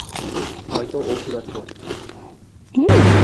হয়তো ও ক্ষুধার্ত।